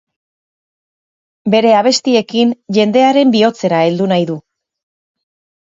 Bere abestiekin jendearen bihotzera heldu nahi du.